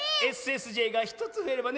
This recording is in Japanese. ＳＳＪが１つふえればね